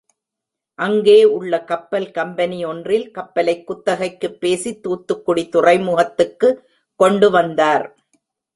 அங்கே உள்ள கப்பல் கம்பெனி ஒன்றில், கப்பலைக் குத்தகைக்குப் பேசி தூத்துக்குடி துறைமுகத்துக்கு கொண்டு வந்தார்.